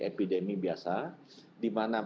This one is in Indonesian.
epidemi biasa dimana